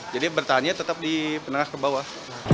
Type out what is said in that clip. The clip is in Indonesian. jadi bertahannya tetap di menengah ke bawah